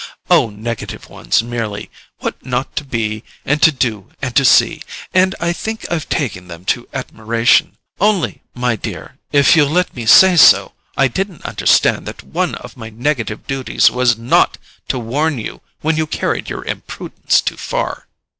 "Oh, negative ones merely—what not to be and to do and to see. And I think I've taken them to admiration. Only, my dear, if you'll let me say so, I didn't understand that one of my negative duties was NOT to warn you when you carried your imprudence too far."